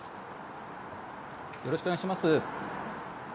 よろしくお願いします。